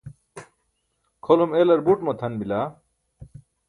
kʰolum elar but matʰan bila